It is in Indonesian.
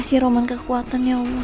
kasih roman kekuatan ya allah